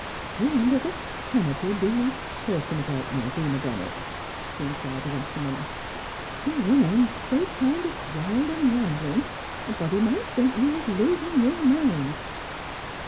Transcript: '^ Who under th' canopy be you talkin' about, Malvina Bennett? " she inquired, with acrimony. You run on so kind of wild an' ramblin' a body might think you was losin' your mind."